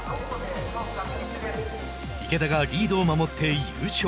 池田がリードを守って優勝。